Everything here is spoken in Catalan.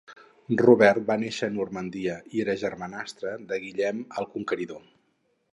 Robert va néixer a Normandia, i era germanastre de Guillem el Conqueridor.